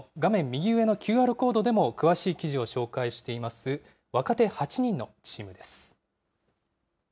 右上のＱＲコードでも詳しい記事を紹介しています、若手８人のチームです。